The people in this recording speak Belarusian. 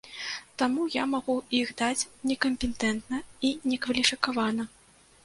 Таму я магу іх даць некампетэнтна і некваліфікавана.